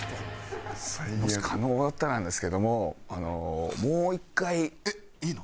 もし可能だったらなんですけどももう１回。えっいいの？